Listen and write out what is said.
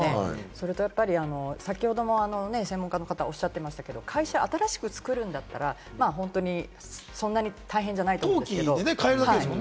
それと、先ほども専門家の方もおっしゃってましたけれども、会社を新しく作るんだったら、そんなに大変じゃないと思うんですけれども。